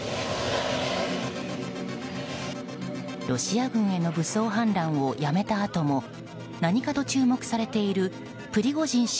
ロシア軍への武装反乱をやめたあとも何かと注目されているプリゴジン氏